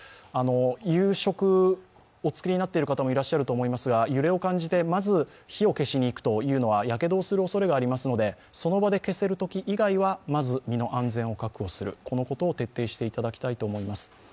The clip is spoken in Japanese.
夕食をお作りになっている方もいると思いますが、揺れを感じて、まず火を消しに行くというのはやけどをするおそれがありますので、その場で消せるとき以外は、まず身の安全を確保することを徹底していただきたいと思います。